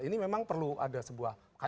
ini memang perlu ada sebuah